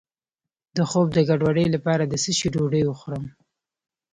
د خوب د ګډوډۍ لپاره د څه شي ډوډۍ وخورم؟